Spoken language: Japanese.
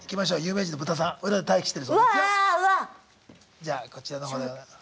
じゃあこちらの方でございます。